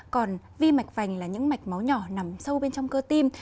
còn vi mạch vành là những mạch máu nhỏ nằm sâu bên trong cơ tim